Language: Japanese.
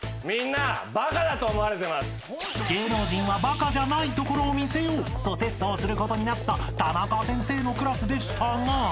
［芸能人はバカじゃないところを見せようとテストをすることになったタナカ先生のクラスでしたが］